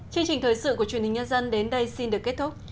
chương trình thời sự của truyền hình nhân dân đến đây xin được kết thúc